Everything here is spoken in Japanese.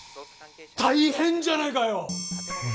大変じゃないかよ！